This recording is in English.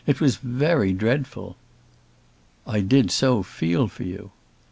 It was very dreadful!" "I did so feel for you."